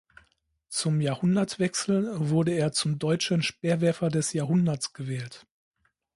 Zum Jahrhundertwechsel wurde er zum deutschen Speerwerfer des Jahrhunderts gewählt.